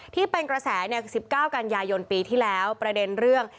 ที่เป็นกระแสคือ๑๙กันยายนปีที่แล้วประเด็นเรื่อง